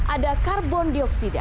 ada karbon dioksida